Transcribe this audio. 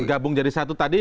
gabung jadi satu tadi